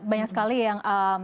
banyak sekali yang